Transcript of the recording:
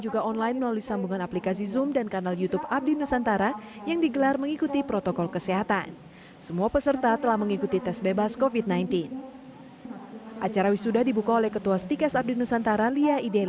bisa diterima di pangsa pasar dan industri